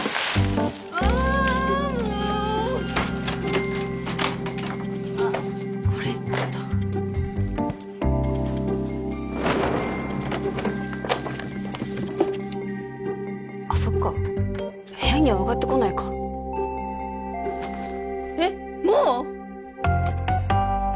もうあっこれとあっそっか部屋には上がってこないかえっもう！？